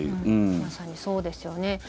まさにそうですよね。